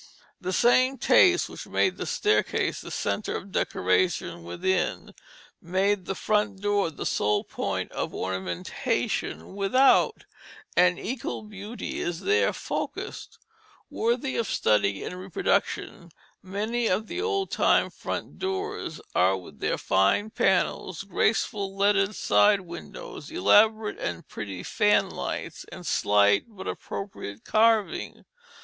The same taste which made the staircase the centre of decoration within, made the front door the sole point of ornamentation without; and equal beauty is there focused. Worthy of study and reproduction, many of the old time front doors are with their fine panels, graceful, leaded side windows, elaborate and pretty fan lights, and slight but appropriate carving.